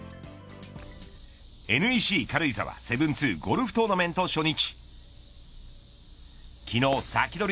ＮＥＣ軽井沢７２ゴルフトーナメント初日昨日サキドリ！